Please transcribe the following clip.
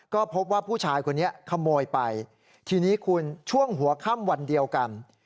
ก็พบว่าผู้ชายคนนี้ขโมยไปทีนี้คุณช่วงหัวค่ำวันเดียวกัน